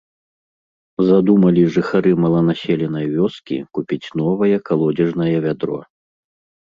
Задумалі жыхары маланаселенай вёскі купіць новае калодзежнае вядро.